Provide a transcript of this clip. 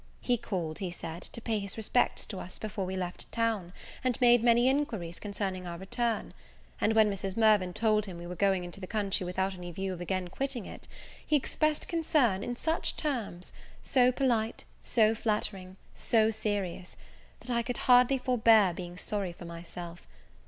He called, he said, to pay his respects to us before we left town, and made many inquiries concerning our return; and, when Mrs Mirvan told him we were going into the country without any view of again quitting it, he expressed concern in such terms so polite, so flattering, so serious that I could hardly forbear being sorry for myself.